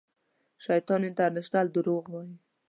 شیطان انټرنېشنل درواغ وایي